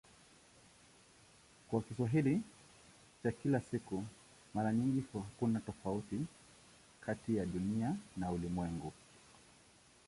Kwa Kiswahili cha kila siku mara nyingi hakuna tofauti kati ya "Dunia" na "ulimwengu".